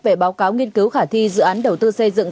về báo cáo nghiên cứu khả thi dự án đầu tư xây dựng